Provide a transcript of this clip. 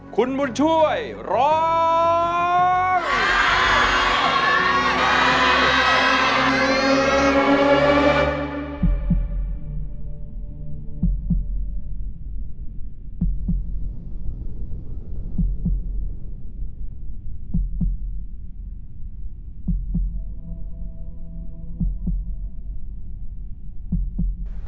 คุณบุญช่วยร้อง